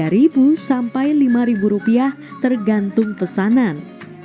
rp tiga sampai rp lima tergantung pesanan